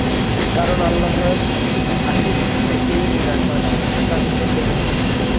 কারণ আল্লাহর আশিস হতে কেউই নিরাশ হয় না, কাফিরগণ ব্যতীত।